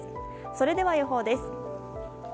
それでは予報です。